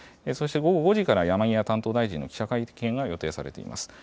そして午後５時から、山際担当大臣の記者会見が予定されています。